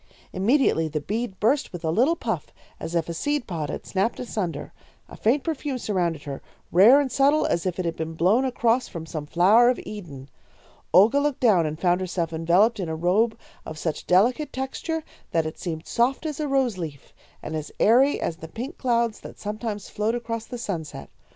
"Immediately the bead burst with a little puff, as if a seed pod had snapped asunder. A faint perfume surrounded her, rare and subtle as if it had been blown across from some flower of Eden. Olga looked down and found herself enveloped in a robe of such delicate texture that it seemed soft as a rose leaf, and as airy as the pink clouds that sometimes float across the sunset.